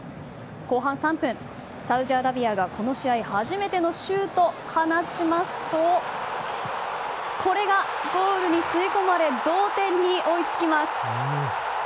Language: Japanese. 後半３分、サウジアラビアがこの試合初めてのシュートを放ちますとこれがゴールに吸い込まれ同点に追いつきます。